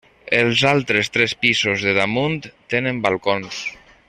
Els altres tres pisos de damunt tenen balcons.